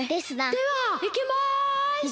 ・ではいきます。